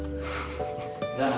じゃあな。